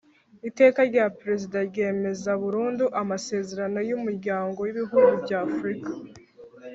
Iteka rya Perezida ryemeza burundu amasezerano y Umuryango w Ibihugu by Afurika